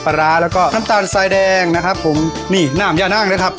ร้าแล้วก็น้ำตาลทรายแดงนะครับผมนี่น้ำยานั่งนะครับ